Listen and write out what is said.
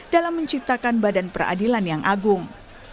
dalam menciptakan badan peradilan yang agung